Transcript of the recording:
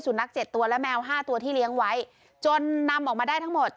นักเจ็ดตัวและแมวห้าตัวที่เลี้ยงไว้จนนำออกมาได้ทั้งหมด